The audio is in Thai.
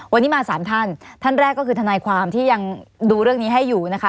วันนี้มาสามท่านท่านแรกก็คือทนายความที่ยังดูเรื่องนี้ให้อยู่นะคะ